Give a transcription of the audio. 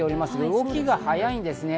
動きが速いんですね。